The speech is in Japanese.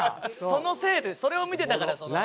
そのせいでそれを見てたからそのなんか。